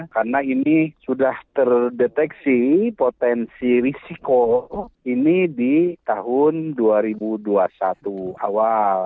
karena ini sudah terdeteksi potensi risiko ini di tahun dua ribu dua puluh satu awal